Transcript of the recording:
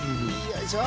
よいしょ！